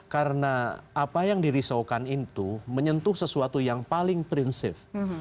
karena apa yang dirisaukan itu menyentuh sesuatu yang paling prinsip